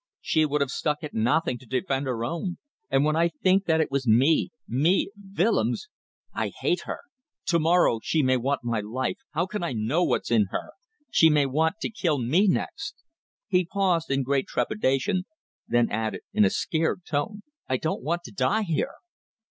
She would have stuck at nothing to defend her own. And when I think that it was me me Willems ... I hate her. To morrow she may want my life. How can I know what's in her? She may want to kill me next!" He paused in great trepidation, then added in a scared tone "I don't want to die here."